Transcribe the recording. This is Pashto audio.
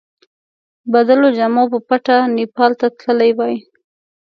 بدلو جامو په پټه نیپال ته تللی وای.